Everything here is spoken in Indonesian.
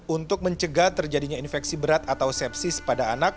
untuk mencegah terjadinya infeksi berat atau sepsis pada anak